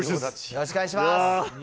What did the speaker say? よろしくお願いします。